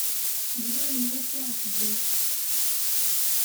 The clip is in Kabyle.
D wayen ɣef̣ i ɛetbeɣ.